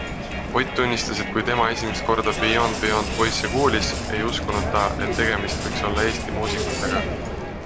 Ott tunnistas, et kui tema esimest korda Beyond Beyond poisse kuulis, ei uskunud ta, et tegemist võiks olla Eesti muusikutega.